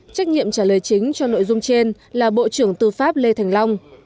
trách nhiệm trả lời chính cho nội dung trên là bộ trưởng tư pháp lê thành long